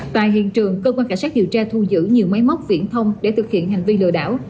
tại hiện trường cơ quan cảnh sát điều tra thu giữ nhiều máy móc viễn thông để thực hiện hành vi lừa đảo